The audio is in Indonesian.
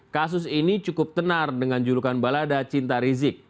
kasus ini cukup tenar dengan julukan balada cinta rizik